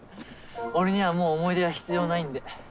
俺にはもう思い出は必要ないんで。